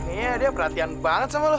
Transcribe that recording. iya dia perhatian banget sama lo